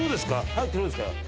入ってる方ですか？